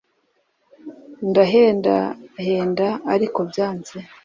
ndahendahenda ariko byanze